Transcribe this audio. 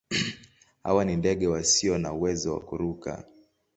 Hawa ni ndege wasio na uwezo wa kuruka.